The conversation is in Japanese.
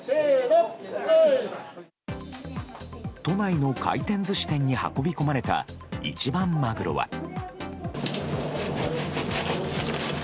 都内の回転寿司店に運び込まれた一番マグロは。